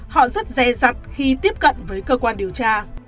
họ rất dè dặt khi tiếp cận với cơ quan điều tra